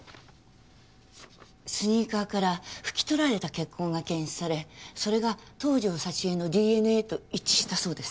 スニーカーから拭き取られた血痕が検出されそれが東条沙知絵のＤＮＡと一致したそうです。